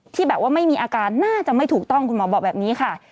ที่แบบว่าไม่มีอาการน่าจะไม่ถูกต้องคุณหมอบอกแบบนี้ค่ะ